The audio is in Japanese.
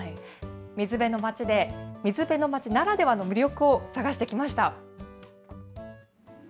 水辺の町で、水辺の町ならではの魅力を探してきました。